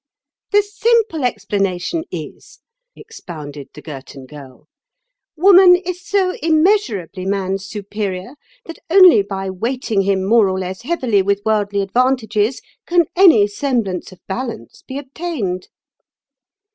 ] "The simple explanation is," expounded the Girton Girl, "woman is so immeasurably man's superior that only by weighting him more or less heavily with worldly advantages can any semblance of balance be obtained."